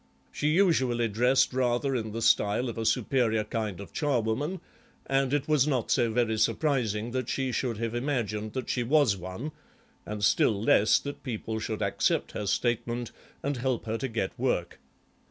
She usually dressed rather in the style of a superior kind of charwoman, and it was not so very surprising that she should have imagined that she was one; and still less that people should accept her statement and help her to get work.